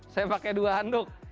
saya pakai dua handuk